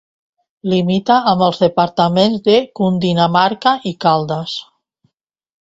Limita amb els departaments de Cundinamarca i Caldas.